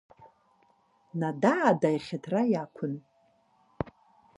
Надаада ихьаҭра иақәын…